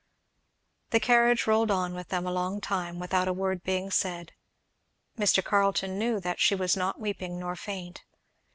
The carriage rolled on with them a long time without a word being said. Mr. Carleton knew that she was not weeping nor faint.